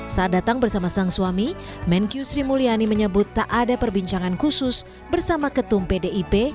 saat datang bersama sang suami menkyu sri mulyani menyebut tak ada perbincangan khusus bersama ketum pdip